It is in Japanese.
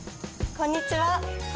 こんにちは。